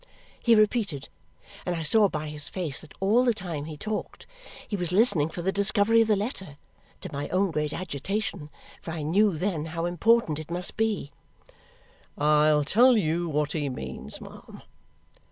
he repeated, and I saw by his face that all the time he talked he was listening for the discovery of the letter, to my own great agitation, for I knew then how important it must be; "I'll tell you what he means, ma'am.